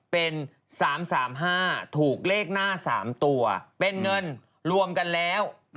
เป็น๓๓๕ถูกเลขหน้า๓ตัวเป็นเงินรวมกันแล้ว